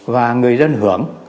và người dân hưởng